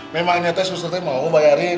memang nyatanya peserta mau bayarin